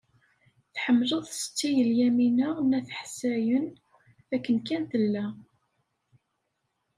Tḥemmleḍ Setti Lyamina n At Ḥsayen akken kan tella.